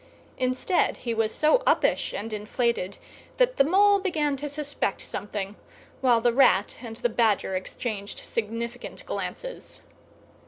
Instead, he was so uppish and inflated that the Mole began to suspect something; while the Rat and the Badger exchanged significant glances.